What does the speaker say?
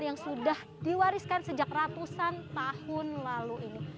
yang sudah diwariskan sejak ratusan tahun lalu ini